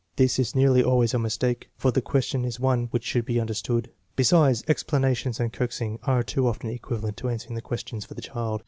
This is nearly always a mistake, for the question is one which should be under stood. Besides, explanations and coaxing are too often equivalent to answering the question for the child.